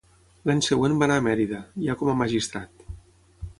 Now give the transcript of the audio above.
L'any següent va anar a Mèrida, ja com a magistrat.